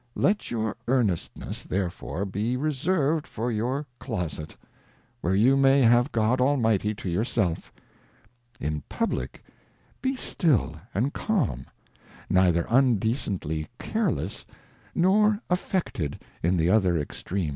Let your earnestness therefore be reserv'd for your Closet, where you may have God Almighty to your self : In Publick be still and calm, neither undecently Careless, nor Affected in the other Extream.